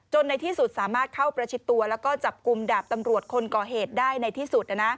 ในที่สุดสามารถเข้าประชิดตัวแล้วก็จับกลุ่มดาบตำรวจคนก่อเหตุได้ในที่สุด